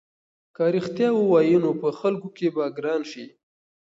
که رښتیا ووایې نو په خلکو کې به ګران شې.